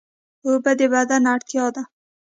اوبه د بدن اړتیا ده